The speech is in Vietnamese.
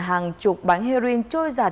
hàng chục bánh heroin trôi giảt